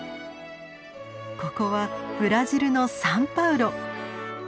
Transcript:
ここはブラジルのサンパウロ。